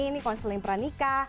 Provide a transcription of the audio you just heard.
ini konsulin peranika